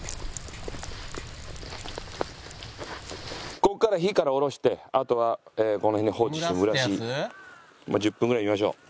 ここから火から下ろしてあとはこの辺で放置してまあ１０分ぐらい見ましょう。